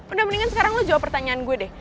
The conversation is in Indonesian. udah mendingan sekarang lo jawab pertanyaan gue deh